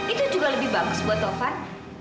itu juga lebih bagus buat tovan